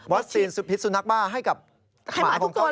วัคซีนผิดสุนัขบ้าให้กับหมาของเขาเอง